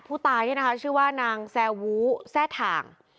ผู้ตายเนี่ยนะคะชื่อว่านางแซวูแซ่ถ่าง